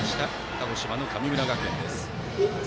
鹿児島の神村学園です。